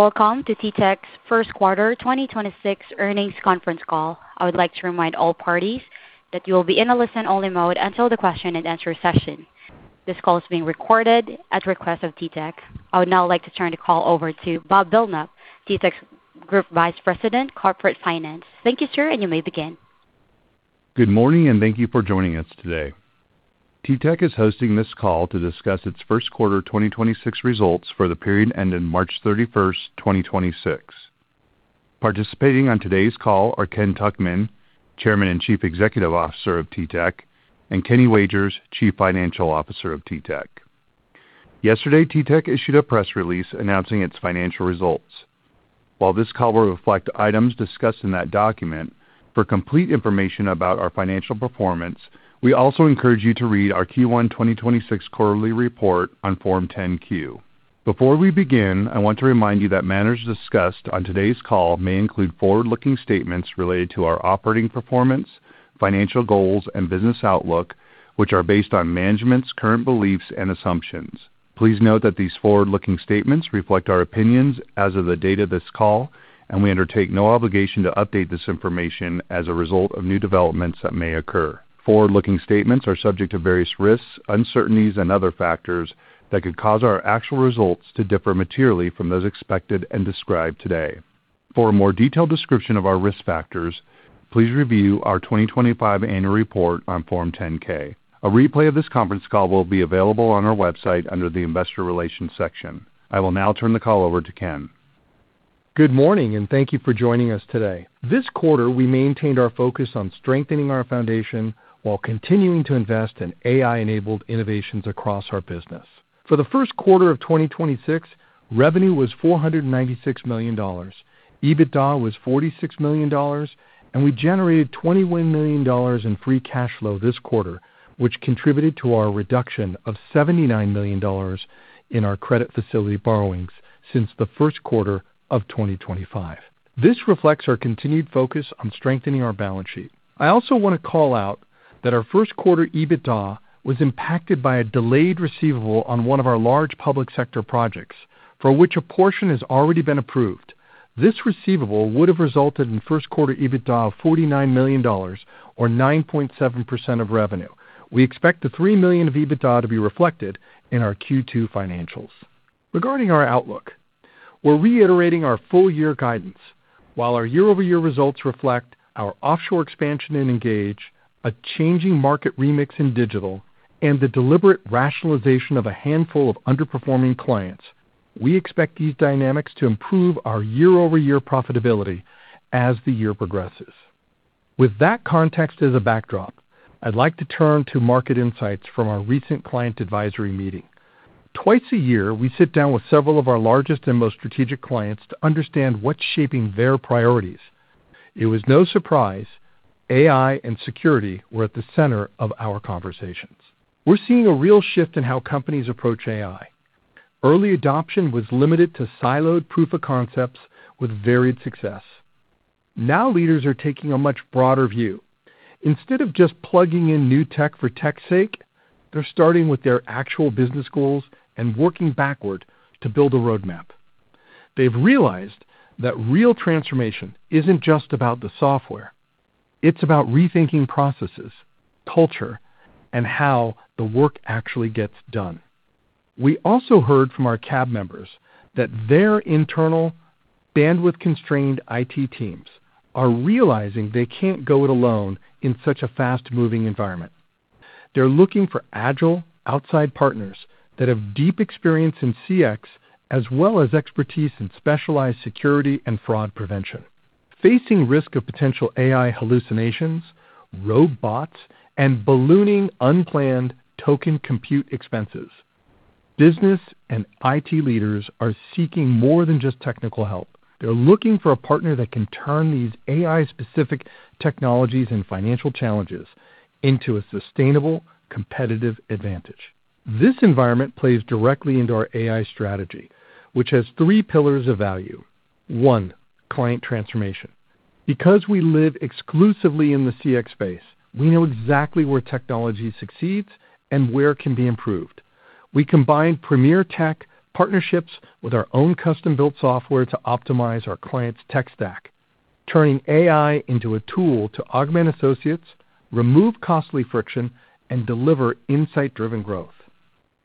Welcome to TTEC's first quarter 2026 earnings conference call. I would like to remind all parties that you will be in a listen-only mode until the question and answer session. This call is being recorded at the request of TTEC. I would now like to turn the call over to Bob Belknapp, TTEC's Group Vice President, Corporate Finance. Thank you, sir. You may begin. Good morning, and thank you for joining us today. TTEC is hosting this call to discuss its 1st quarter 2026 results for the period ending March 31st, 2026. Participating on today's call are Ken Tuchman, Chairman and Chief Executive Officer of TTEC, and Kenny Wagers, Chief Financial Officer of TTEC. Yesterday, TTEC issued a press release announcing its financial results. While this call will reflect items discussed in that document, for complete information about our financial performance, we also encourage you to read our Q1 2026 quarterly report on Form 10-Q. Before we begin, I want to remind you that matters discussed on today's call may include forward-looking statements related to our operating performance, financial goals, and business outlook, which are based on management's current beliefs and assumptions. Please note that these forward-looking statements reflect our opinions as of the date of this call, and we undertake no obligation to update this information as a result of new developments that may occur. Forward-looking statements are subject to various risks, uncertainties, and other factors that could cause our actual results to differ materially from those expected and described today. For a more detailed description of our risk factors, please review our 2025 annual report on Form 10-K. A replay of this conference call will be available on our website under the Investor Relations section. I will now turn the call over to Ken. Good morning, and thank you for joining us today. This quarter, we maintained our focus on strengthening our foundation while continuing to invest in AI-enabled innovations across our business. For the first quarter of 2026, revenue was $496 million. EBITDA was $46 million, and we generated $21 million in free cash flow this quarter, which contributed to our reduction of $79 million in our credit facility borrowings since the first quarter of 2025. This reflects our continued focus on strengthening our balance sheet. I also want to call out that our first quarter EBITDA was impacted by a delayed receivable on one of our large public sector projects, for which a portion has already been approved. This receivable would have resulted in first quarter EBITDA of $49 million or 9.7% of revenue. We expect the $3 million of EBITDA to be reflected in our Q2 financials. Regarding our outlook, we're reiterating our full-year guidance. While our year-over-year results reflect our offshore expansion in Engage, a changing market remix in Digital, and the deliberate rationalization of a handful of underperforming clients, we expect these dynamics to improve our year-over-year profitability as the year progresses. With that context as a backdrop, I'd like to turn to market insights from our recent client advisory meeting. Twice a year, we sit down with several of our largest and most strategic clients to understand what's shaping their priorities. It was no surprise AI and security were at the center of our conversations. We're seeing a real shift in how companies approach AI. Early adoption was limited to siloed proofs of concept with varied success. Now, leaders are taking a much broader view. Instead of just plugging in new tech for tech's sake, they're starting with their actual business goals and working backward to build a roadmap. They've realized that real transformation isn't just about the software. It's about rethinking processes, culture, and how the work actually gets done. We also heard from our CAB members that their internal bandwidth-constrained IT teams are realizing they can't go it alone in such a fast-moving environment. They're looking for agile outside partners that have deep experience in CX, as well as expertise in specialized security and fraud prevention. Facing risk of potential AI hallucinations, rogue bots, and ballooning unplanned token compute expenses, business and IT leaders are seeking more than just technical help. They're looking for a partner that can turn these AI-specific technologies and financial challenges into a sustainable competitive advantage. This environment plays directly into our AI strategy, which has three pillars of value. One, client transformation. Because we live exclusively in the CX space, we know exactly where technology succeeds and where it can be improved. We combine premier tech partnerships with our own custom-built software to optimize our client's tech stack, turning AI into a tool to augment associates, remove costly friction, and deliver insight-driven growth.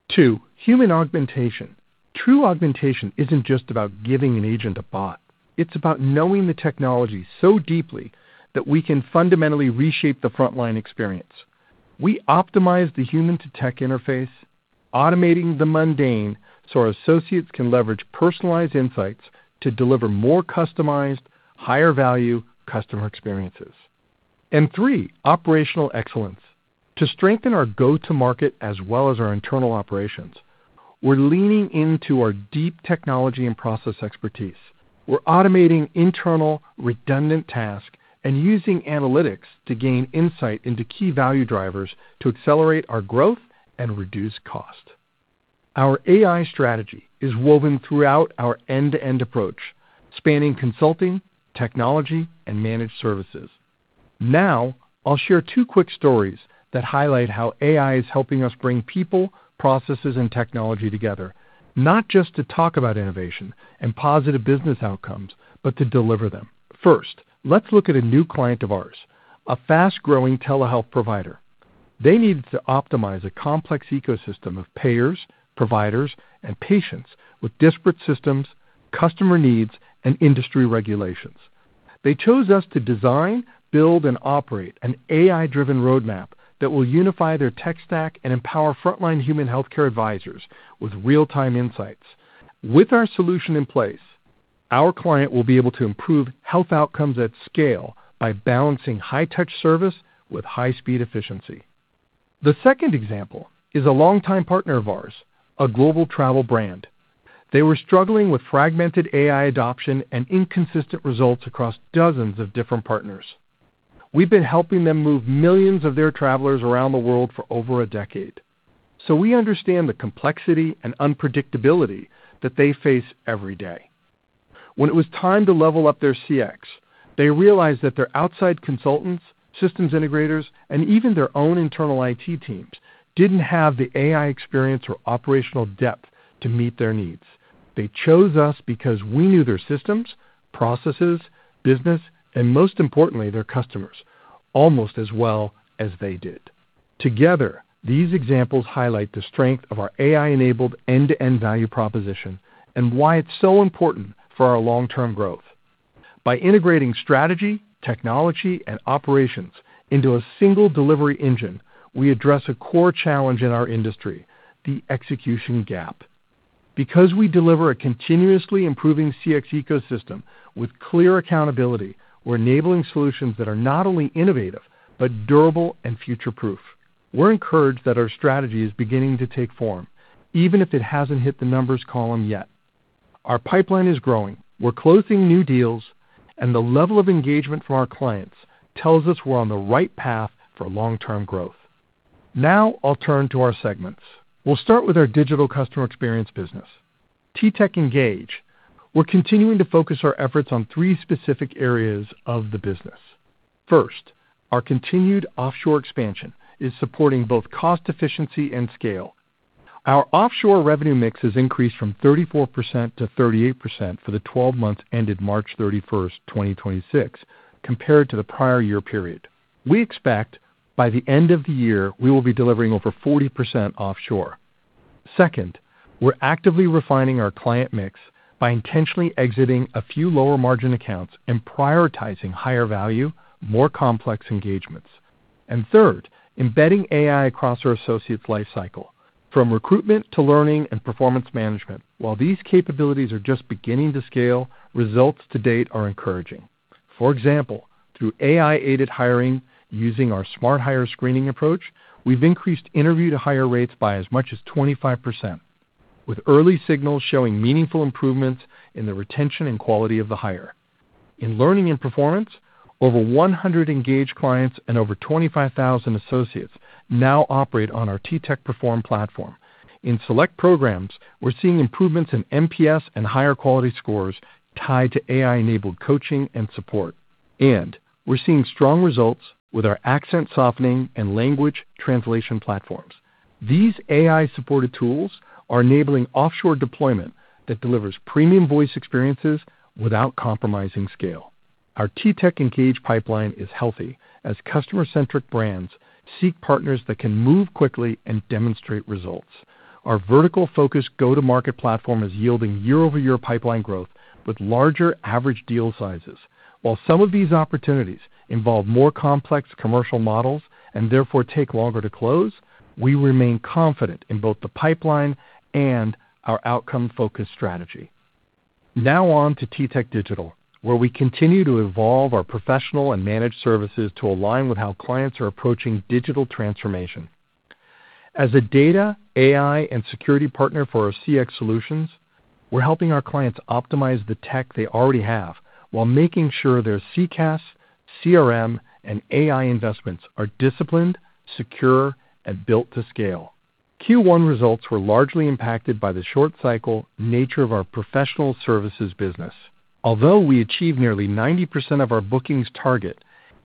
Two, human augmentation. True augmentation isn't just about giving an agent a bot. It's about knowing the technology so deeply that we can fundamentally reshape the frontline experience. We optimize the human-to-tech interface, automating the mundane. Our associates can leverage personalized insights to deliver more customized, higher-value customer experiences. Three, operational excellence. To strengthen our go-to-market as well as our internal operations, we're leaning into our deep technology and process expertise. We're automating internal redundant tasks and using analytics to gain insight into key value drivers to accelerate our growth and reduce cost. Our AI strategy is woven throughout our end-to-end approach, spanning consulting, technology, and managed services. I'll share two quick stories that highlight how AI is helping us bring people, processes, and technology together, not just to talk about innovation and positive business outcomes, but to deliver them. First, let's look at a new client of ours, a fast-growing telehealth provider. They needed to optimize a complex ecosystem of payers, providers, and patients with disparate systems, customer needs, and industry regulations. They chose us to design, build, and operate an AI-driven roadmap that will unify their tech stack and empower frontline human healthcare advisors with real-time insights. With our solution in place, our client will be able to improve health outcomes at scale by balancing high-touch service with high-speed efficiency. The second example is a longtime partner of ours, a global travel brand. They were struggling with fragmented AI adoption and inconsistent results across dozens of different partners. We've been helping them move millions of their travelers around the world for over a decade. We understand the complexity and unpredictability that they face every day. When it was time to level up their CX, they realized that their outside consultants, systems integrators, and even their own internal IT teams didn't have the AI experience or operational depth to meet their needs. They chose us because we knew their systems, processes, business, and most importantly, their customers almost as well as they did. Together, these examples highlight the strength of our AI-enabled end-to-end value proposition and why it's so important for our long-term growth. By integrating strategy, technology, and operations into a single delivery engine, we address a core challenge in our industry, the execution gap. Because we deliver a continuously improving CX ecosystem with clear accountability, we're enabling solutions that are not only innovative, but durable and future-proof. We're encouraged that our strategy is beginning to take form, even if it hasn't hit the numbers column yet. Our pipeline is growing. We're closing new deals, and the level of engagement from our clients tells us we're on the right path for long-term growth. Now I'll turn to our segments. We'll start with our digital customer experience business, TTEC Engage. We're continuing to focus our efforts on three specific areas of the business. First, our continued offshore expansion is supporting both cost efficiency and scale. Our offshore revenue mix has increased from 34% to 38% for the 12 months ended March 31st, 2026, compared to the prior year period. We expect by the end of the year, we will be delivering over 40% offshore. Second, we're actively refining our client mix by intentionally exiting a few lower-margin accounts and prioritizing higher value, more complex engagements. Third, embedding AI across our associates' lifecycle, from recruitment to learning and performance management. While these capabilities are just beginning to scale, results to date are encouraging. For example, through AI-aided hiring using our SmartHire screening approach, we've increased interview-to-hire rates by as much as 25%, with early signals showing meaningful improvements in the retention and quality of the hire. In learning and performance, over 100 engaged clients and over 25,000 associates now operate on our TTEC Perform platform. In select programs, we're seeing improvements in NPS and higher quality scores tied to AI-enabled coaching and support. We're seeing strong results with our accent softening and language translation platforms. These AI-supported tools are enabling offshore deployment that delivers premium voice experiences without compromising scale. Our TTEC Engage pipeline is healthy as customer-centric brands seek partners that can move quickly and demonstrate results. Our vertical-focused go-to-market platform is yielding year-over-year pipeline growth with larger average deal sizes. While some of these opportunities involve more complex commercial models and therefore take longer to close, we remain confident in both the pipeline and our outcome-focused strategy. On to TTEC Digital, where we continue to evolve our professional and managed services to align with how clients are approaching digital transformation. As a data, AI, and security partner for our CX solutions, we're helping our clients optimize the tech they already have while making sure their CCaaS, CRM, and AI investments are disciplined, secure, and built to scale. Q1 results were largely impacted by the short cycle nature of our professional services business. Although we achieved nearly 90% of our bookings target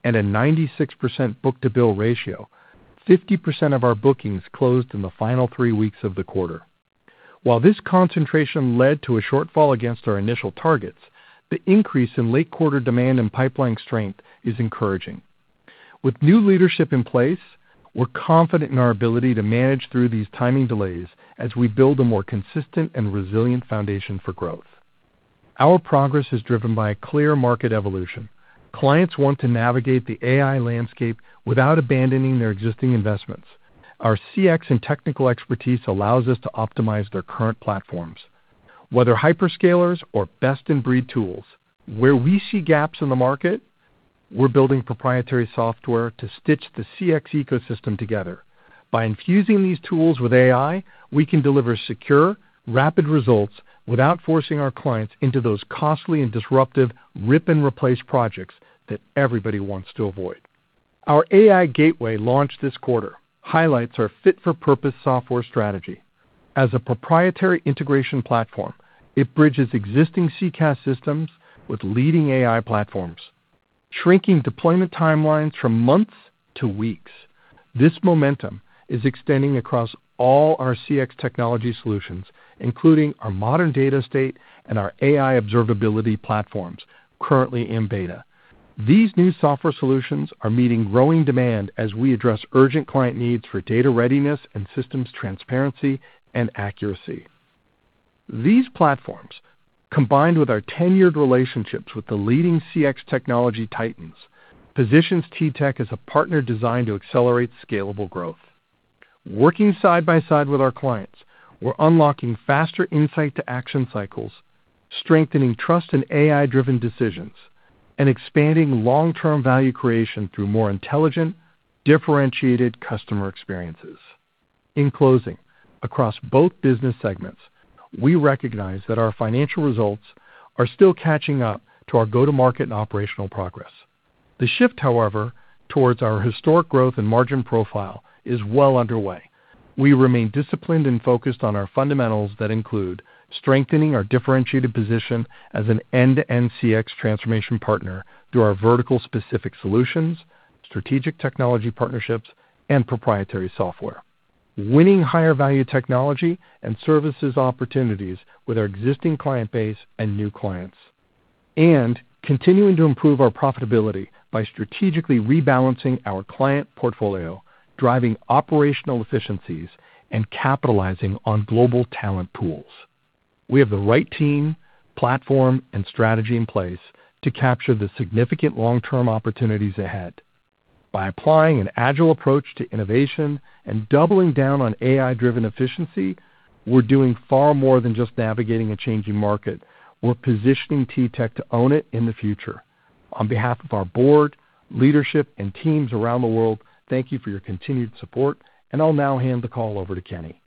and a 96% book-to-bill ratio, 50% of our bookings closed in the final three weeks of the quarter. While this concentration led to a shortfall against our initial targets, the increase in late-quarter demand and pipeline strength is encouraging. With new leadership in place, we're confident in our ability to manage through these timing delays as we build a more consistent and resilient foundation for growth. Our progress is driven by a clear market evolution. Clients want to navigate the AI landscape without abandoning their existing investments. Our CX and technical expertise allows us to optimize their current platforms, whether hyperscalers or best-in-breed tools. Where we see gaps in the market, we're building proprietary software to stitch the CX ecosystem together. By infusing these tools with AI, we can deliver secure, rapid results without forcing our clients into those costly and disruptive rip-and-replace projects that everybody wants to avoid. Our AI Gateway launch this quarter highlights our fit-for-purpose software strategy. As a proprietary integration platform, it bridges existing CCaaS systems with leading AI platforms, shrinking deployment timelines from months to weeks. This momentum is extending across all our CX technology solutions, including our modern data estate and our AI observability platforms currently in beta. These new software solutions are meeting growing demand as we address urgent client needs for data readiness and systems transparency and accuracy. These platforms, combined with our tenured relationships with the leading CX technology titans, positions TTEC as a partner designed to accelerate scalable growth. Working side by side with our clients, we're unlocking faster insight to action cycles, strengthening trust in AI-driven decisions, and expanding long-term value creation through more intelligent, differentiated customer experiences. In closing, across both business segments, we recognize that our financial results are still catching up to our go-to-market and operational progress. The shift, however, towards our historic growth and margin profile is well underway. We remain disciplined and focused on our fundamentals that include strengthening our differentiated position as an end-to-end CX transformation partner through our vertical specific solutions, strategic technology partnerships, and proprietary software. Winning higher value technology and services opportunities with our existing client base and new clients, and continuing to improve our profitability by strategically rebalancing our client portfolio, driving operational efficiencies, and capitalizing on global talent pools. We have the right team, platform, and strategy in place to capture the significant long-term opportunities ahead. By applying an agile approach to innovation and doubling down on AI-driven efficiency, we're doing far more than just navigating a changing market. We're positioning TTEC to own it in the future. On behalf of our board, leadership, and teams around the world, thank you for your continued support, and I'll now hand the call over to Kenny.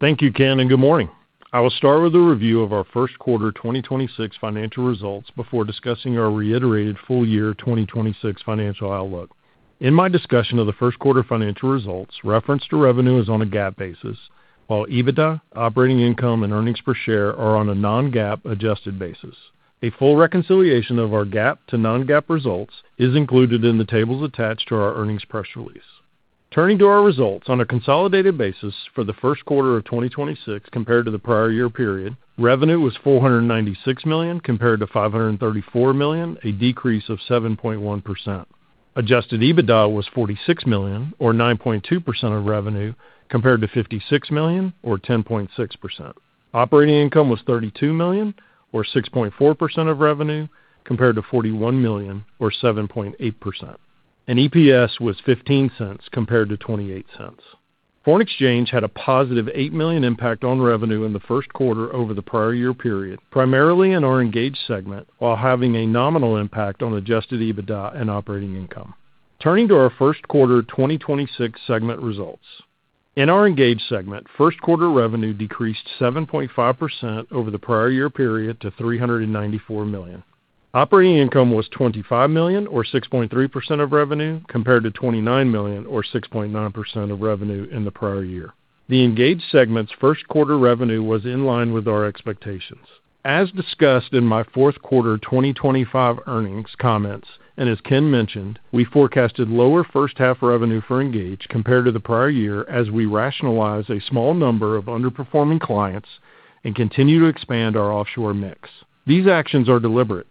Thank you, Ken, and good morning. I will start with a review of our first quarter 2026 financial results before discussing our reiterated full year 2026 financial outlook. In my discussion of the first quarter financial results, reference to revenue is on a GAAP basis, while EBITDA, operating income, and earnings per share are on a non-GAAP adjusted basis. A full reconciliation of our GAAP to non-GAAP results is included in the tables attached to our earnings press release. Turning to our results on a consolidated basis for the first quarter of 2026 compared to the prior year period, revenue was $496 million compared to $534 million, a decrease of 7.1%. Adjusted EBITDA was $46 million or 9.2% of revenue compared to $56 million or 10.6%. Operating income was $32 million or 6.4% of revenue compared to $41 million or 7.8%. EPS was $0.15 compared to $0.28. Foreign exchange had a positive $8 million impact on revenue in the first quarter over the prior year period, primarily in our Engage segment, while having a nominal impact on adjusted EBITDA and operating income. Turning to our first quarter 2026 segment results. In our Engage segment, first quarter revenue decreased 7.5% over the prior year period to $394 million. Operating income was $25 million or 6.3% of revenue compared to $29 million or 6.9% of revenue in the prior year. The Engage segment's first quarter revenue was in line with our expectations. As discussed in my fourth quarter 2025 earnings comments, and as Ken mentioned, we forecasted lower first half revenue for Engage compared to the prior year as we rationalize a small number of underperforming clients and continue to expand our offshore mix. These actions are deliberate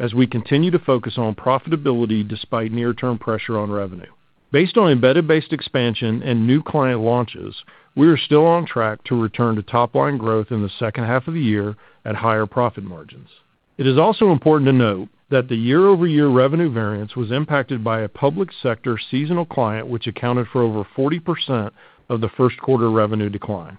as we continue to focus on profitability despite near-term pressure on revenue. Based on embedded base expansion and new client launches, we are still on track to return to top line growth in the second half of the year at higher profit margins. It is also important to note that the year-over-year revenue variance was impacted by a Public Sector seasonal client, which accounted for over 40% of the first quarter revenue decline.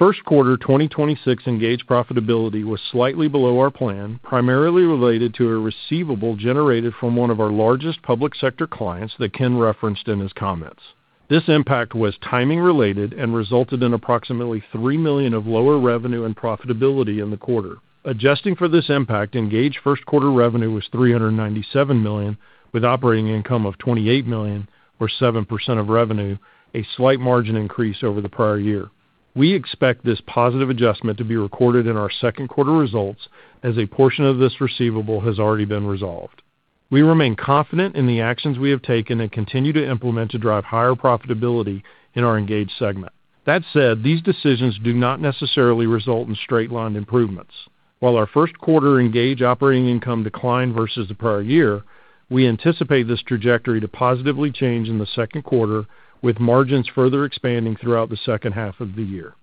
First quarter 2026 Engage profitability was slightly below our plan, primarily related to a receivable generated from one of our largest public sector clients that Ken referenced in his comments. This impact was timing related and resulted in approximately $3 million of lower revenue and profitability in the quarter. Adjusting for this impact, Engage first quarter revenue was $397 million, with operating income of $28 million or 7% of revenue, a slight margin increase over the prior year. We expect this positive adjustment to be recorded in our second quarter results as a portion of this receivable has already been resolved. We remain confident in the actions we have taken and continue to implement to drive higher profitability in our Engage segment. That said, these decisions do not necessarily result in straight line improvements. While our first quarter Engage operating income declined versus the prior year, we anticipate this trajectory to positively change in the second quarter, with margins further expanding throughout the second half of the year.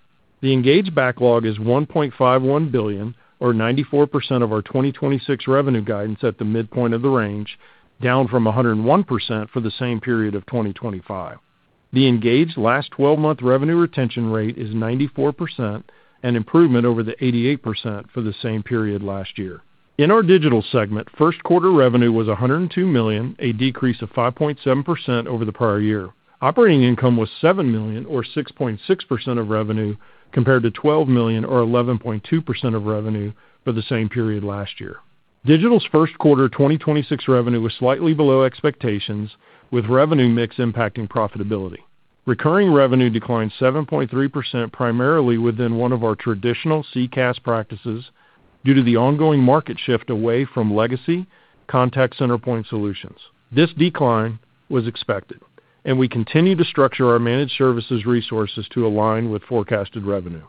The Engage backlog is $1.51 billion or 94% of our 2026 revenue guidance at the midpoint of the range, down from 101% for the same period of 2025. The Engage last twelve-month revenue retention rate is 94%, an improvement over the 88% for the same period last year. In our Digital segment, first quarter revenue was $102 million, a decrease of 5.7% over the prior year. Operating income was $7 million or 6.6% of revenue compared to $12 million or 11.2% of revenue for the same period last year. Digital's first quarter 2026 revenue was slightly below expectations, with revenue mix impacting profitability. Recurring revenue declined 7.3% primarily within one of our traditional CCaaS practices due to the ongoing market shift away from legacy contact center point solutions. This decline was expected, and we continue to structure our managed services resources to align with forecasted revenue.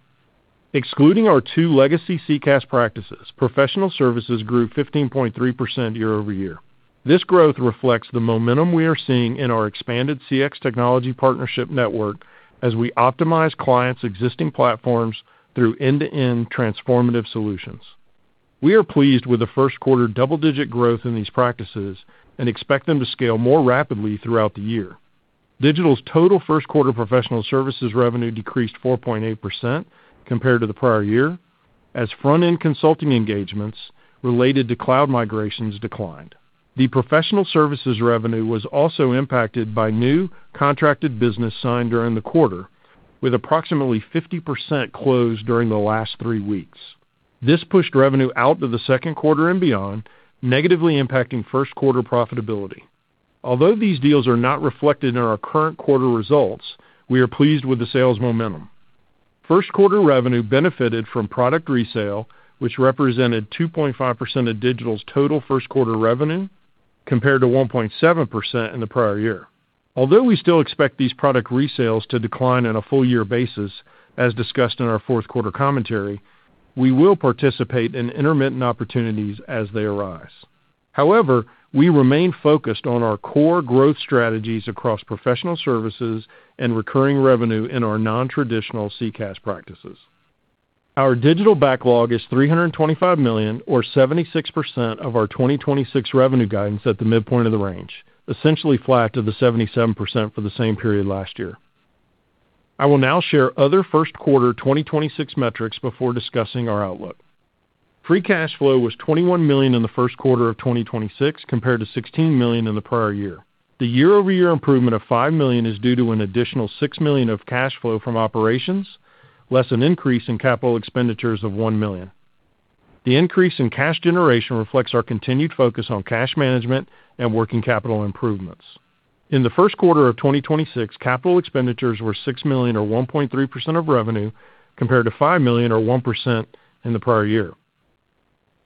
Excluding our two legacy CCaaS practices, professional services grew 15.3% year-over-year. This growth reflects the momentum we are seeing in our expanded CX technology partnership network as we optimize clients' existing platforms through end-to-end transformative solutions. We are pleased with the first quarter double-digit growth in these practices and expect them to scale more rapidly throughout the year. Digital's total first quarter professional services revenue decreased 4.8% compared to the prior year, as front-end consulting engagements related to cloud migrations declined. The professional services revenue was also impacted by new contracted business signed during the quarter with approximately 50% closed during the last three weeks. This pushed revenue out to the second quarter and beyond, negatively impacting first quarter profitability. Although these deals are not reflected in our current quarter results, we are pleased with the sales momentum. First quarter revenue benefited from product resale, which represented 2.5% of Digital's total first quarter revenue compared to 1.7% in the prior year. Although we still expect these product resales to decline on a full year basis, as discussed in our fourth quarter commentary, we will participate in intermittent opportunities as they arise. However, we remain focused on our core growth strategies across professional services and recurring revenue in our non-traditional CCaaS practices. Our digital backlog is $325 million or 76% of our 2026 revenue guidance at the midpoint of the range, essentially flat to the 77% for the same period last year. I will now share other first quarter 2026 metrics before discussing our outlook. Free cash flow was $21 million in the first quarter of 2026 compared to $16 million in the prior year. The year-over-year improvement of $5 million is due to an additional $6 million of cash flow from operations, less an increase in capital expenditures of $1 million. The increase in cash generation reflects our continued focus on cash management and working capital improvements. In the first quarter of 2026, capital expenditures were $6 million or 1.3% of revenue compared to $5 million or 1% in the prior year.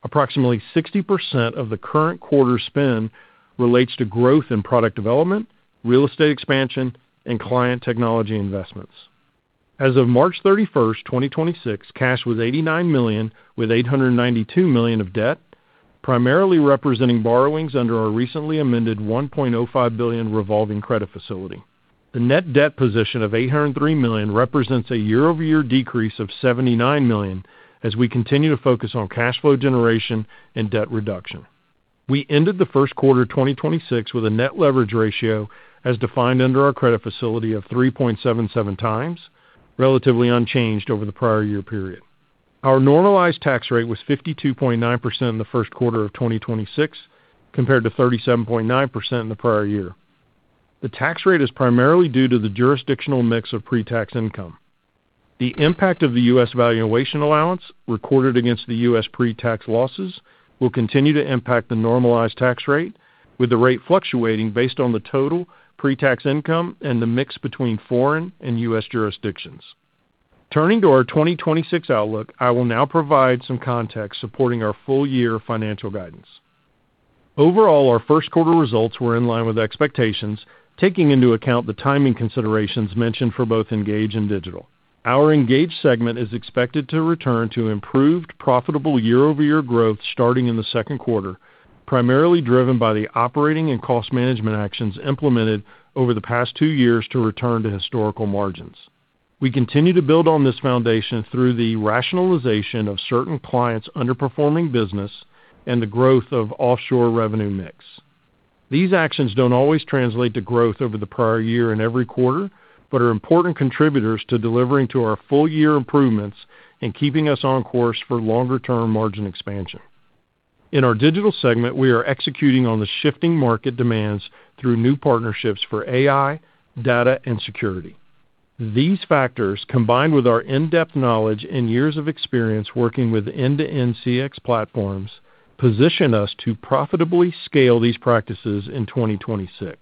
Approximately 60% of the current quarter spend relates to growth in product development, real estate expansion, and client technology investments. As of March 31st, 2026, cash was $89 million with $892 million of debt, primarily representing borrowings under our recently amended $1.05 billion revolving credit facility. The net debt position of $803 million represents a year-over-year decrease of $79 million as we continue to focus on cash flow generation and debt reduction. We ended the first quarter 2026 with a net leverage ratio as defined under our credit facility of 3.77 times, relatively unchanged over the prior year period. Our normalized tax rate was 52.9% in the first quarter of 2026 compared to 37.9% in the prior year. The tax rate is primarily due to the jurisdictional mix of pre-tax income. The impact of the U.S. valuation allowance recorded against the U.S. pre-tax losses will continue to impact the normalized tax rate, with the rate fluctuating based on the total pre-tax income and the mix between foreign and U.S. jurisdictions. Turning to our 2026 outlook, I will now provide some context supporting our full year financial guidance. Overall, our first quarter results were in line with expectations, taking into account the timing considerations mentioned for both TTEC Engage and TTEC Digital. Our Engage segment is expected to return to improved profitable year-over-year growth starting in the second quarter, primarily driven by the operating and cost management actions implemented over the past two years to return to historical margins. We continue to build on this foundation through the rationalization of certain clients' underperforming business and the growth of offshore revenue mix. These actions don't always translate to growth over the prior year and every quarter but are important contributors to delivering to our full year improvements and keeping us on course for longer term margin expansion. In our Digital segment, we are executing on the shifting market demands through new partnerships for AI, data, and security. These factors, combined with our in-depth knowledge and years of experience working with end-to-end CX platforms, position us to profitably scale these practices in 2026.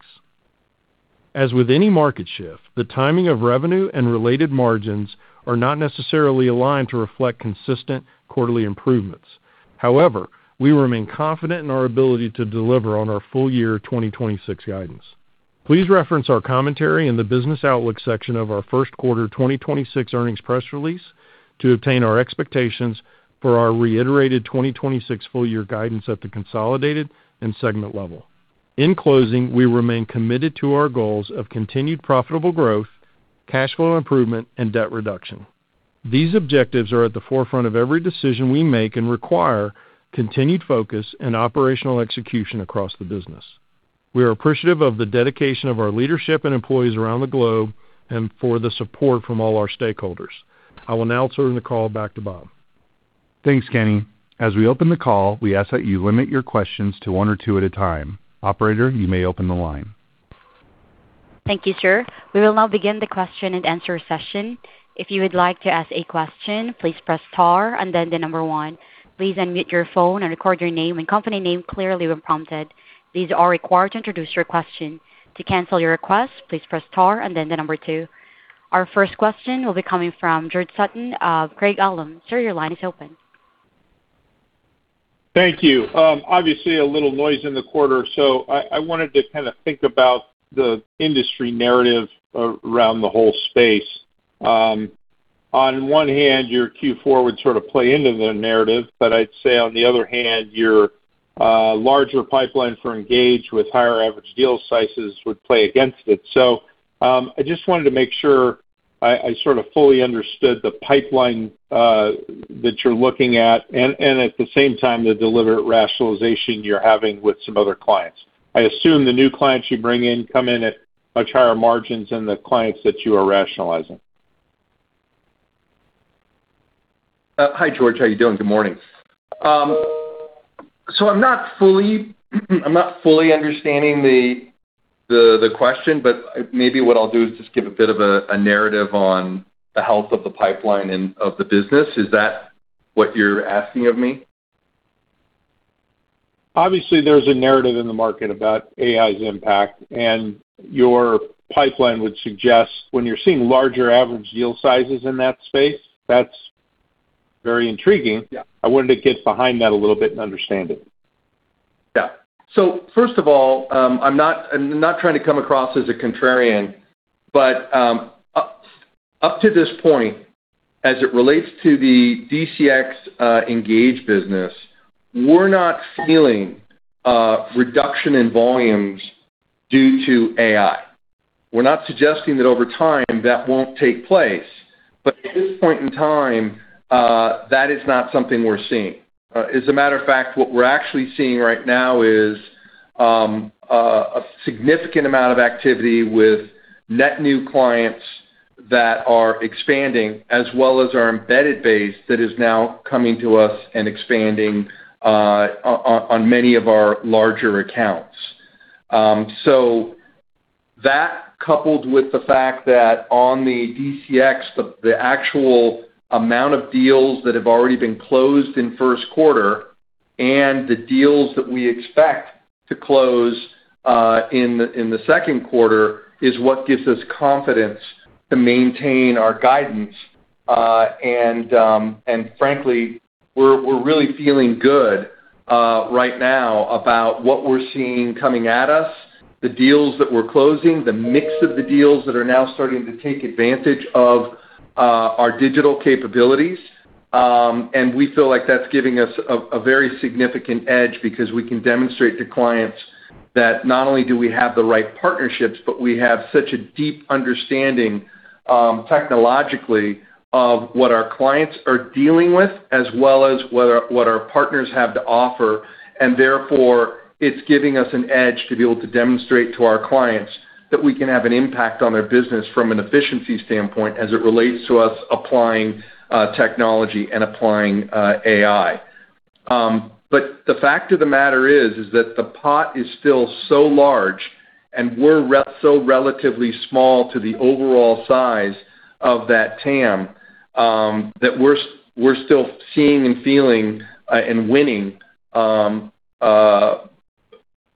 As with any market shift, the timing of revenue and related margins are not necessarily aligned to reflect consistent quarterly improvements. However, we remain confident in our ability to deliver on our full year 2026 guidance. Please reference our commentary in the business outlook section of our first quarter 2026 earnings press release to obtain our expectations for our reiterated 2026 full year guidance at the consolidated and segment level. In closing, we remain committed to our goals of continued profitable growth, cash flow improvement, and debt reduction. These objectives are at the forefront of every decision we make and require continued focus and operational execution across the business. We are appreciative of the dedication of our leadership and employees around the globe and for the support from all our stakeholders. I will now turn the call back to Bob. Thanks, Kenny. As we open the call, we ask that you limit your questions to one or two at a time. Operator, you may open the line. Thank you, sir. We will now begin the question and answer session. If you would like to ask a question, please press star and then 1. Please unmute your phone and record your name and company name clearly when prompted. These are required to introduce your question. To cancel your request, please press star and then 2. Our first question will be coming from George Sutton of Craig-Hallum. Sir, your line is open. Thank you. Obviously, a little noise in the quarter, so I wanted to kind of think about the industry narrative around the whole space. On one hand, your Q4 would sort of play into the narrative, but I'd say on the other hand, your larger pipeline for Engage with higher average deal sizes would play against it. I just wanted to make sure I sort of fully understood the pipeline that you're looking at and at the same time, the deliberate rationalization you're having with some other clients. I assume the new clients you bring in come in at much higher margins than the clients that you are rationalizing. Hi, George. How you doing? Good morning. I'm not fully understanding the question. Maybe what I'll do is just give a bit of a narrative on the health of the pipeline and of the business. Is that what you're asking of me? Obviously, there's a narrative in the market about AI's impact, and your pipeline would suggest when you're seeing larger average deal sizes in that space, that's very intriguing. Yeah. I wanted to get behind that a little bit and understand it. Yeah. First of all, I'm not trying to come across as a contrarian, up to this point, as it relates to the DCX Engage business, we're not feeling reduction in volumes due to AI. We're not suggesting that over time that won't take place, at this point in time, that is not something we're seeing. As a matter of fact, what we're actually seeing right now is a significant amount of activity with net new clients that are expanding, as well as our embedded base that is now coming to us and expanding on many of our larger accounts. That coupled with the fact that on the DCX, the actual amount of deals that have already been closed in first quarter and the deals that we expect to close in the second quarter is what gives us confidence to maintain our guidance. Frankly, we're really feeling good right now about what we're seeing coming at us, the deals that we're closing, the mix of the deals that are now starting to take advantage of our digital capabilities. We feel like that's giving us a very significant edge because we can demonstrate to clients that not only do we have the right partnerships, but we have such a deep understanding technologically of what our clients are dealing with, as well as what our, what our partners have to offer. Therefore, it's giving us an edge to be able to demonstrate to our clients that we can have an impact on their business from an efficiency standpoint as it relates to us applying, technology and applying, AI. The fact of the matter is that the pot is still so large, and we're so relatively small to the overall size of that TAM, that we're still seeing and feeling and winning,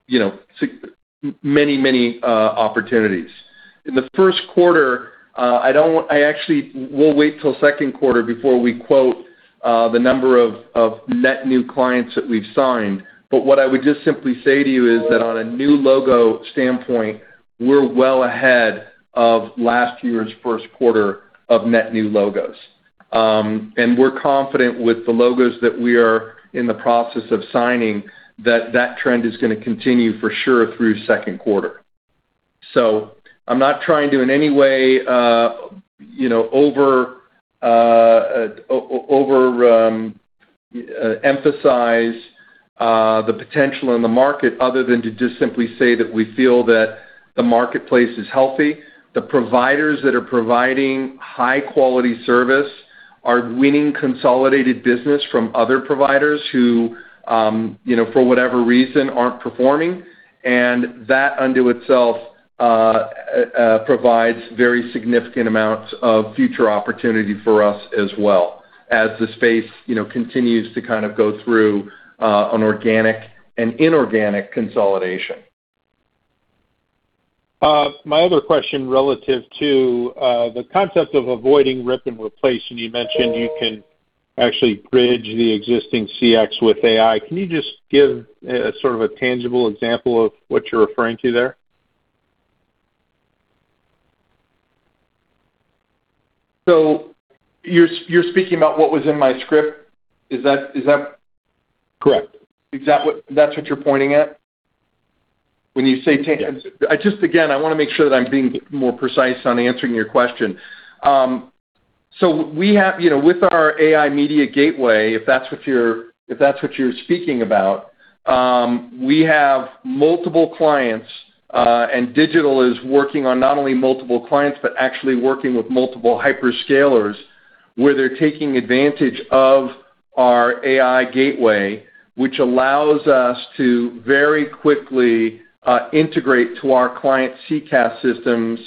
you know, many, many opportunities. In the 1st quarter, I actually we'll wait till 2nd quarter before we quote, the number of net new clients that we've signed. What I would just simply say to you is that on a new logo standpoint, we're well ahead of last year's 1st quarter of net new logos. We're confident with the logos that we are in the process of signing that that trend is gonna continue for sure through second quarter. I'm not trying to in any way, you know, over emphasize the potential in the market other than to just simply say that we feel that the marketplace is healthy. The providers that are providing high quality service are winning consolidated business from other providers who, you know, for whatever reason, aren't performing. That unto itself provides very significant amounts of future opportunity for us as well as the space, you know, continues to kind of go through an organic and inorganic consolidation. My other question relative to the concept of avoiding rip and replace, and you mentioned you can actually bridge the existing CX with AI. Can you just give sort of a tangible example of what you're referring to there? You're speaking about what was in my script? Is that? Correct. That's what you're pointing at? When you say tang- Yes. I just, again, I wanna make sure that I'm being more precise on answering your question. We have, you know, with our AI media Gateway, if that's what you're, if that's what you're speaking about, we have multiple clients, and Digital is working on not only multiple clients, but actually working with multiple hyperscalers, where they're taking advantage of our AI Gateway, which allows us to very quickly integrate to our client CCaaS systems,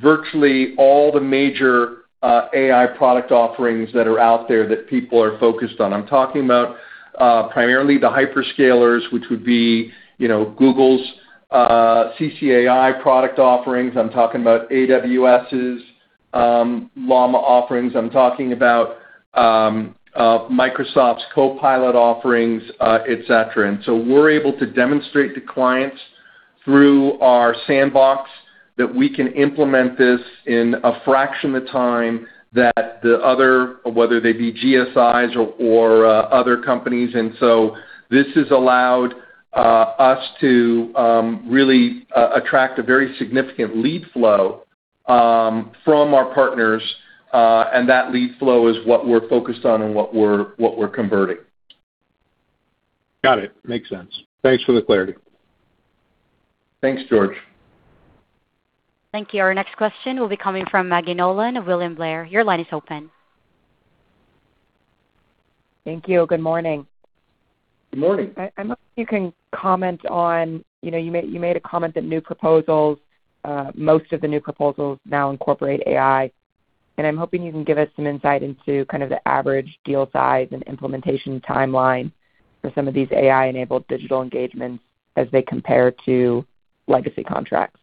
virtually all the major AI product offerings that are out there that people are focused on. I'm talking about primarily the hyperscalers, which would be, you know, Google's CCAI product offerings. I'm talking about AWS's Llama offerings. I'm talking about Microsoft's Copilot offerings, et cetera. We're able to demonstrate to clients through our sandbox that we can implement this in a fraction of the time that the other whether they be GSIs or other companies. This has allowed us to really attract a very significant lead flow from our partners, and that lead flow is what we're focused on and what we're converting. Got it. Makes sense. Thanks for the clarity. Thanks, George. Thank you. Our next question will be coming from Maggie Nolan of William Blair. Your line is open. Thank you. Good morning. Good morning. I'm hoping you can comment on, you know, you made a comment that new proposals, most of the new proposals now incorporate AI, and I'm hoping you can give us some insight into kind of the average deal size and implementation timeline for some of these AI-enabled digital engagements as they compare to legacy contracts.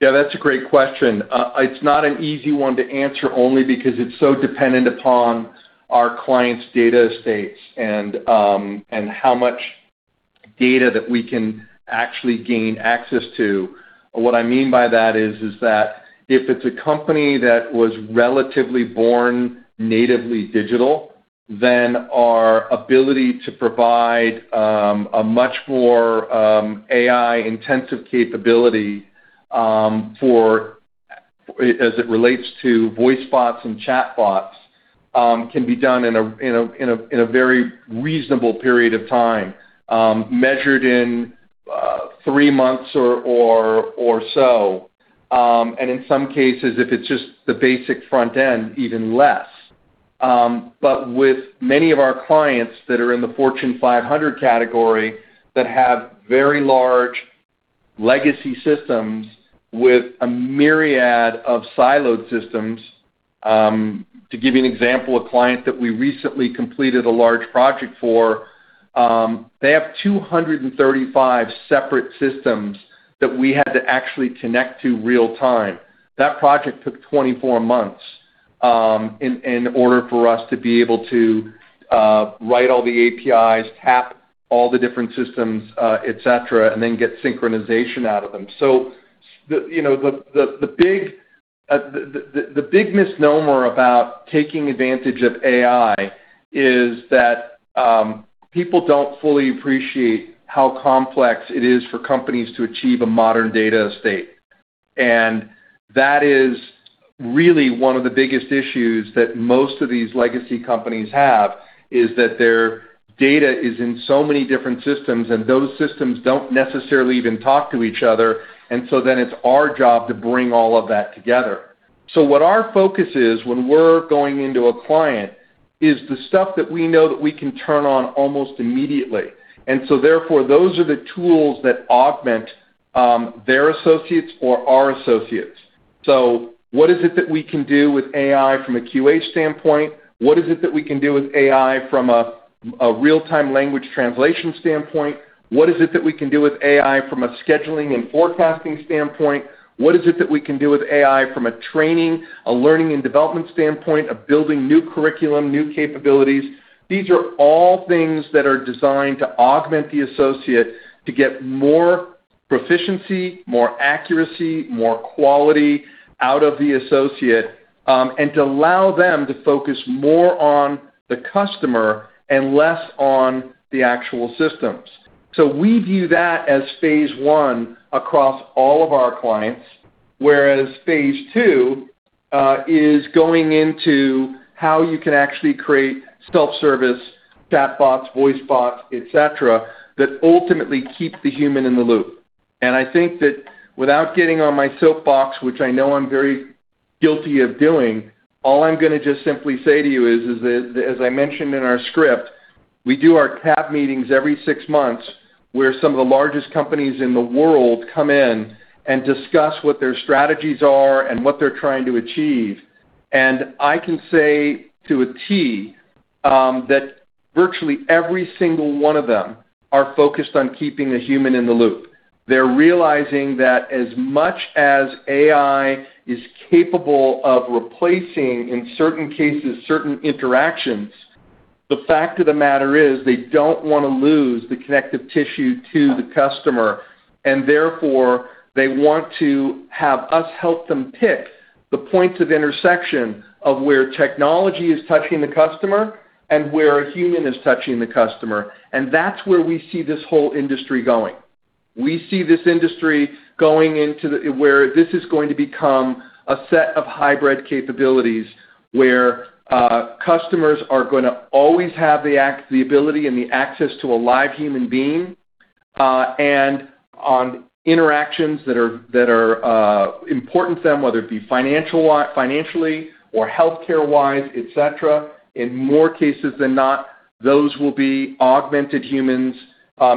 That's a great question. It's not an easy one to answer only because it's so dependent upon our clients' data estates and how much data that we can actually gain access to. What I mean by that is that if it's a company that was relatively born natively digital, then our ability to provide a much more AI-intensive capability as it relates to voice bots and chatbots can be done in a very reasonable period of time, measured in 3 months or so. In some cases, if it's just the basic front end, even less. With many of our clients that are in the Fortune 500 category that have very large legacy systems with a myriad of siloed systems. To give you an example, a client that we recently completed a large project for, they have 235 separate systems that we had to actually connect to real time. That project took 24 months, in order for us to be able to write all the APIs, tap all the different systems, et cetera, and then get synchronization out of them. The, you know, the big misnomer about taking advantage of AI is that people don't fully appreciate how complex it is for companies to achieve a modern data estate. That is really one of the biggest issues that most of these legacy companies have, is that their data is in so many different systems. Those systems don't necessarily even talk to each other. It's our job to bring all of that together. What our focus is when we're going into a client is the stuff that we know that we can turn on almost immediately. Those are the tools that augment their associates or our associates. What is it that we can do with AI from a QA standpoint? What is it that we can do with AI from a real-time language translation standpoint? What is it that we can do with AI from a scheduling and forecasting standpoint? What is it that we can do with AI from a training, a learning and development standpoint of building new curriculum, new capabilities? These are all things that are designed to augment the associate to get more proficiency, more accuracy, more quality out of the associate, and to allow them to focus more on the customer and less on the actual systems. We view that as phase 1 across all of our clients, whereas phase 2 is going into how you can actually create self-service chatbots, voice bots, et cetera, that ultimately keep the human in the loop. I think that without getting on my soapbox, which I know I'm very guilty of doing, all I'm gonna just simply say to you is that as I mentioned in our script, we do our CAB meetings every six months, where some of the largest companies in the world come in and discuss what their strategies are and what they're trying to achieve. I can say to a T that virtually every single one of them are focused on keeping the human in the loop. They're realizing that as much as AI is capable of replacing, in certain cases, certain interactions, the fact of the matter is they don't wanna lose the connective tissue to the customer, and therefore, they want to have us help them pick the points of intersection of where technology is touching the customer and where a human is touching the customer. That's where we see this whole industry going. We see this industry going into where this is going to become a set of hybrid capabilities, where customers are gonna always have the ability and the access to a live human being. On interactions that are important to them, whether it be financially or healthcare-wise, et cetera, in more cases than not, those will be augmented humans,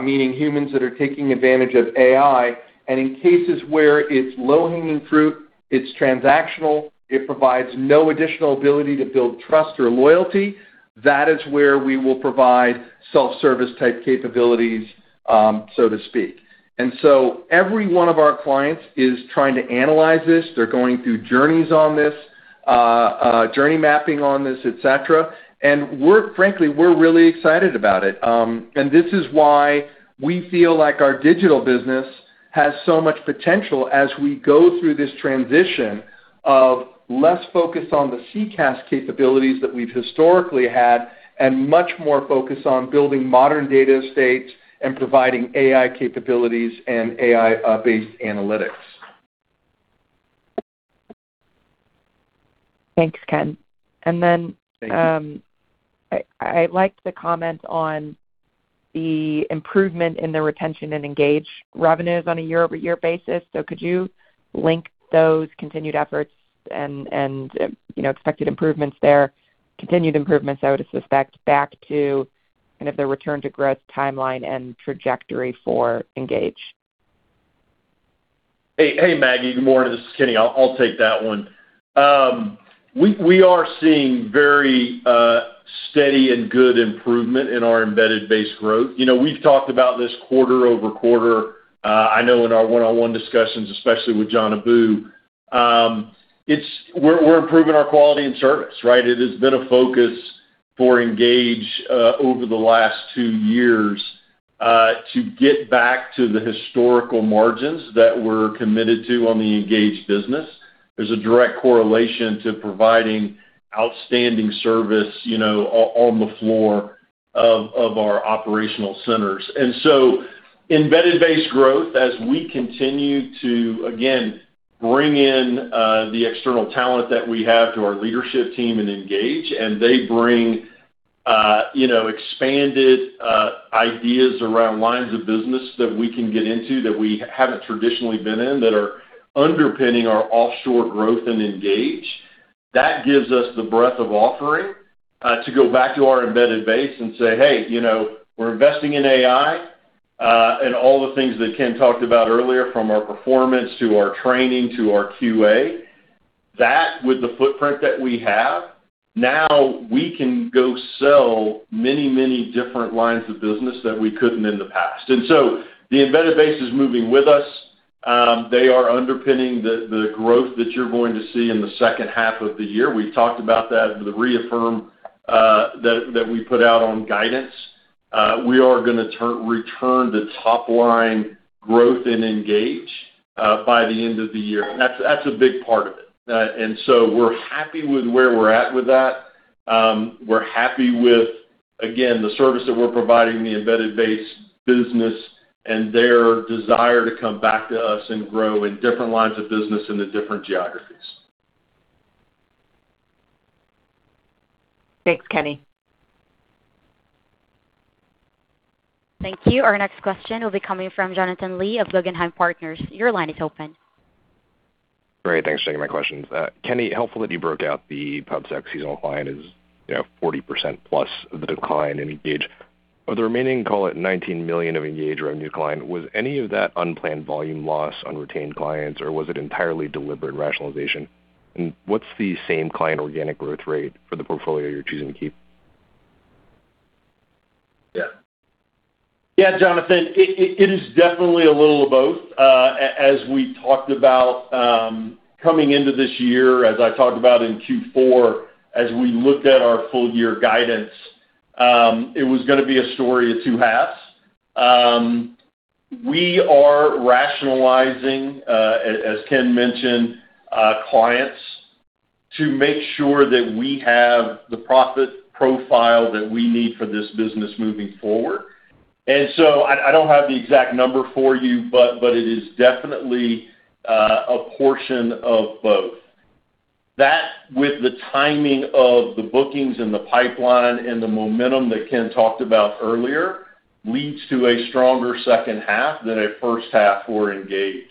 meaning humans that are taking advantage of AI. In cases where it's low-hanging fruit, it's transactional, it provides no additional ability to build trust or loyalty, that is where we will provide self-service type capabilities, so to speak. Every one of our clients is trying to analyze this. They're going through journeys on this, journey mapping on this, et cetera. Frankly, we're really excited about it. This is why we feel like our digital business has so much potential as we go through this transition of less focus on the CCaaS capabilities that we've historically had, and much more focus on building modern data estates and providing AI capabilities and AI based analytics. Thanks, Ken. Thank you. I liked the comment on the improvement in the retention and Engage revenues on a year-over-year basis. Could you link those continued efforts and, you know, expected improvements there, continued improvements, I would suspect, back to kind of the return to growth timeline and trajectory for Engage? Hey, hey, Maggie. Good morning. This is Kenny. I'll take that one. We are seeing very steady and good improvement in our embedded base growth. You know, we've talked about this quarter-over-quarter, I know in our one-on-one discussions, especially with John Abou. We're improving our quality and service, right? It has been a focus for Engage over the last two years to get back to the historical margins that we're committed to on the Engage business. There's a direct correlation to providing outstanding service, you know, on the floor of our operational centers. Embedded base growth, as we continue to, again, bring in the external talent that we have to our leadership team in Engage, and they bring, you know, expanded ideas around lines of business that we can get into that we haven't traditionally been in that are underpinning our offshore growth in Engage, that gives us the breadth of offering to go back to our embedded base and say, "Hey, you know, we're investing in AI," and all the things that Ken talked about earlier from our performance to our training to our QA. That with the footprint that we have, now we can go sell many, many different lines of business that we couldn't in the past. The embedded base is moving with us. They are underpinning the growth that you're going to see in the second half of the year. We talked about that with the reaffirm that we put out on guidance. We are gonna return to top line growth in Engage by the end of the year. That's a big part of it. We're happy with where we're at with that. We're happy with, again, the service that we're providing the embedded base business and their desire to come back to us and grow in different lines of business in the different geographies. Thanks, Kenny. Thank you. Our next question will be coming from Jonathan Lee of Guggenheim Partners. Your line is open. Great. Thanks. Taking my questions. Kenny, helpful that you broke out the PubSec seasonal client is, you know, 40% plus the decline in Engage. Of the remaining, call it $19 million of Engage revenue decline, was any of that unplanned volume loss on retained clients, or was it entirely deliberate rationalization? What's the same client organic growth rate for the portfolio you're choosing to keep? Yeah. Yeah, Jonathan, it is definitely a little of both. As we talked about, coming into this year, as I talked about in Q4, as we looked at our full year guidance, it was gonna be a story of two halves. We are rationalizing, as Ken mentioned, clients to make sure that we have the profit profile that we need for this business moving forward. I don't have the exact number for you, but it is definitely a portion of both. That with the timing of the bookings and the pipeline and the momentum that Ken talked about earlier leads to a stronger second half than a first half for TTEC Engage.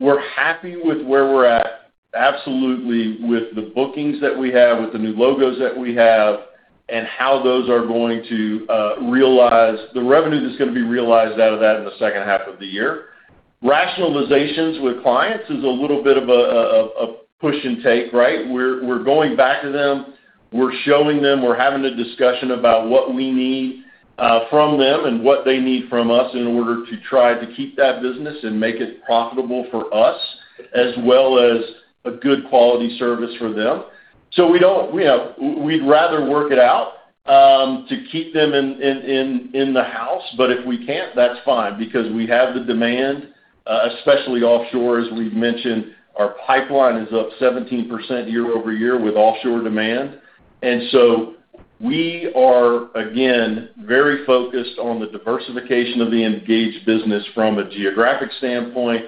We're happy with where we're at, absolutely with the bookings that we have, with the new logos that we have, and how those are going to realize the revenue that's gonna be realized out of that in the second half of the year. Rationalizations with clients is a little bit of a push and take, right? We're going back to them, we're showing them, we're having a discussion about what we need from them and what they need from us in order to try to keep that business and make it profitable for us as well as a good quality service for them. We don't, you know, we'd rather work it out to keep them in the house. If we can't, that's fine because we have the demand, especially offshore, as we've mentioned. Our pipeline is up 17% year-over-year with offshore demand. We are, again, very focused on the diversification of the Engage business from a geographic standpoint.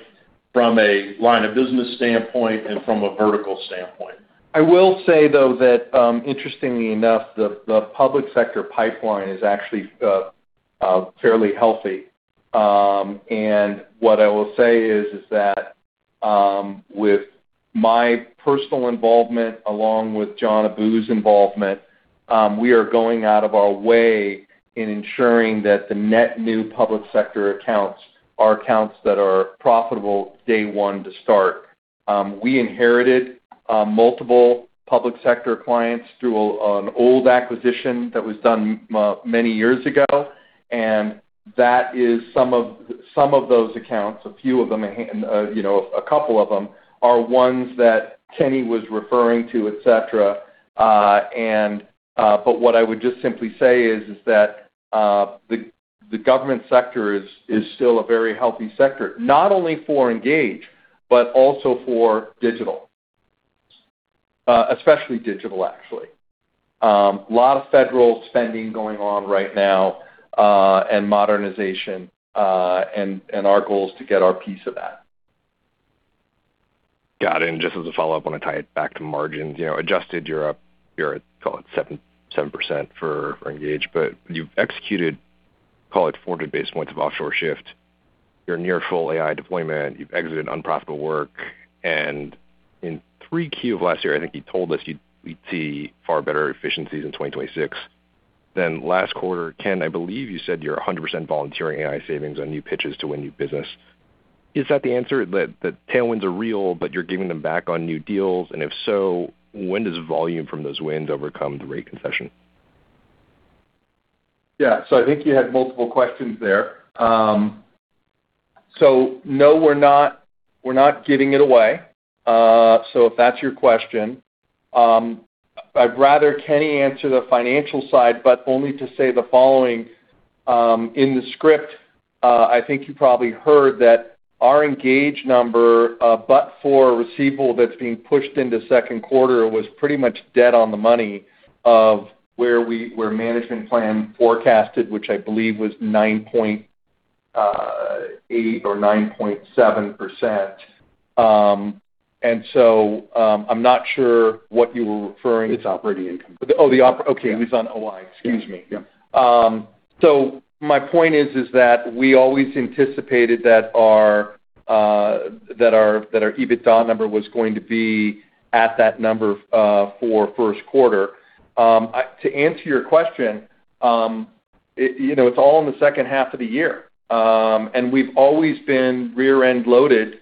From a line of business standpoint and from a vertical standpoint. I will say though that, interestingly enough, the public sector pipeline is actually fairly healthy. What I will say is that, with my personal involvement along with John Abou's involvement, we are going out of our way in ensuring that the net new public sector accounts are accounts that are profitable day one to start. We inherited multiple public sector clients through an old acquisition that was done many years ago, that is some of those accounts, a few of them, you know, a couple of them, are ones that Kenny was referring to, et cetera. What I would just simply say is that the government sector is still a very healthy sector, not only for Engage, but also for Digital. Especially Digital, actually. Lot of federal spending going on right now, and modernization, and our goal is to get our piece of that. Got it. Just as a follow-up, wanna tie it back to margins. You know, adjusted, you're up, you're at, call it 7% for Engage. You've executed, call it 40 basis points of offshore shift. You're near full AI deployment. You've exited unprofitable work. In 3Q of last year, I think you told us you'd see far better efficiencies in 2026 than last quarter. Ken, I believe you said you're 100% volunteering AI savings on new pitches to win new business. Is that the answer? That the tailwinds are real, but you're giving them back on new deals, and if so, when does volume from those wins overcome the rate concession? I think you had multiple questions there. No, we're not, we're not giving it away. If that's your question. I'd rather Kenny answer the financial side, but only to say the following, in the script, I think you probably heard that our Engage number, but for a receivable that's being pushed into second quarter, was pretty much dead on the money of where management plan forecasted, which I believe was 9.8% or 9.7%. I'm not sure what you were referring to. It's operating income. Oh, Okay. It was on OI. Excuse me. Yeah. My point is that we always anticipated that our EBITDA number was going to be at that number for first quarter. To answer your question, you know, it's all in the second half of the year. We've always been rear-end loaded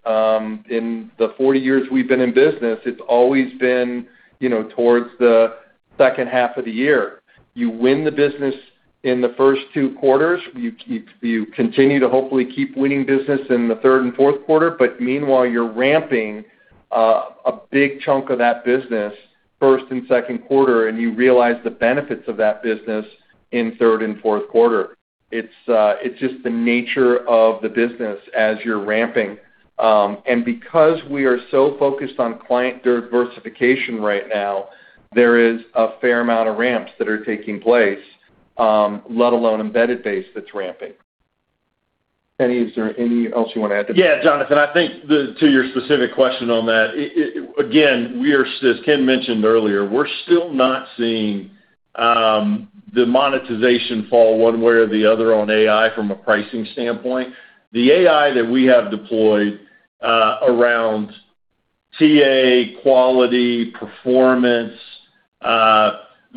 in the 40 years we've been in business, it's always been, you know, towards the second half of the year. You win the business in the first two quarters. You continue to hopefully keep winning business in the third and fourth quarter, but meanwhile, you're ramping a big chunk of that business first and second quarter, and you realize the benefits of that business in third and fourth quarter. It's just the nature of the business as you're ramping. Because we are so focused on client diversification right now, there is a fair amount of ramps that are taking place, let alone embedded base that's ramping. Kenny, is there any else you wanna add to that? Jonathan, I think the-- to your specific question on that, it-- again, we are-- as Ken mentioned earlier, we're still not seeing, the monetization fall one way or the other on AI from a pricing standpoint. The AI that we have deployed, around TA, quality, performance,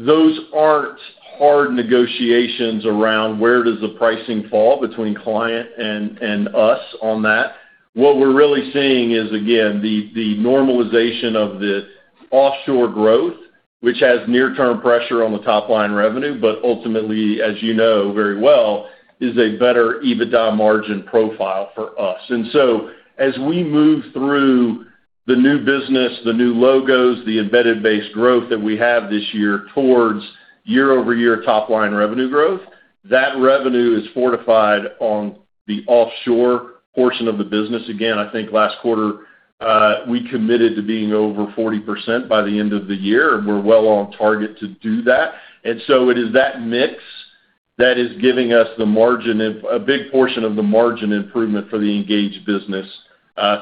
those aren't hard negotiations around where does the pricing fall between client and us on that. What we're really seeing is, again, the normalization of the offshore growth, which has near-term pressure on the top line revenue, but ultimately, as you know very well, is a better EBITDA margin profile for us. As we move through the new business, the new logos, the embedded base growth that we have this year towards year-over-year top line revenue growth, that revenue is fortified on the offshore portion of the business. Again, I think last quarter, we committed to being over 40% by the end of the year, and we're well on target to do that. It is that mix that is giving us a big portion of the margin improvement for the Engage business,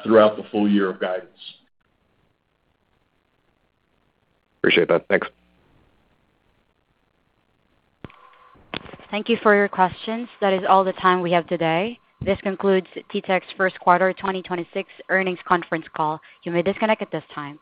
throughout the full year of guidance. Appreciate that. Thanks. Thank you for your questions. That is all the time we have today. This concludes TTEC's first quarter 2026 earnings conference call. You may disconnect at this time.